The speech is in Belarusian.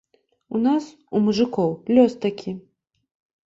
У нас, у мужыкоў, лёс такі.